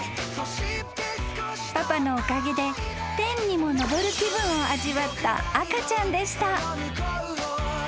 ［パパのおかげで天にも昇る気分を味わった赤ちゃんでした］